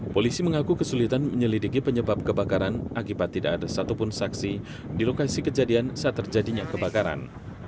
polisi mengaku kesulitan menyelidiki penyebab kebakaran akibat tidak ada satupun saksi di lokasi kejadian saat terjadinya kebakaran